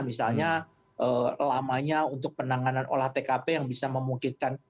misalnya lamanya untuk penanganan olah tkp yang bisa memungkinkan